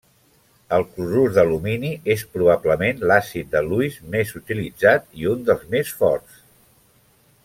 El clorur d'alumini és probablement l'àcid de Lewis més utilitzat i un dels més forts.